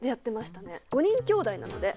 ５人きょうだいなので。